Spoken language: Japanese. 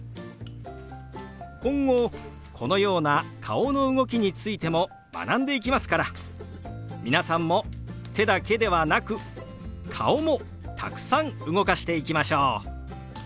今後このような顔の動きについても学んでいきますから皆さんも手だけではなく顔もたくさん動かしていきましょう。